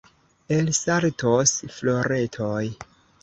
Elsaltos floretoj.